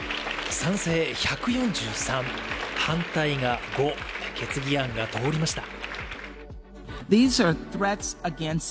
賛成１４３、反対が５、決議案が通りました。